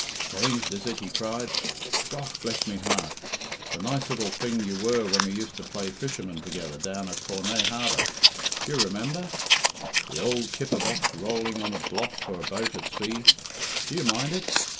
"Changed, is it?" he cried. "Gough bless me heart! the nice little thing you were when we used to play fishermen together down at Cornaa Harbour d'ye remember? The ould kipper box rolling on a block for a boat at sea do you mind it?